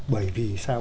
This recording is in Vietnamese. bởi vì sao